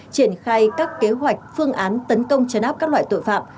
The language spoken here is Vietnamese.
triển khai các kế hoạch phương án tấn công chấn áp các loại tội phạm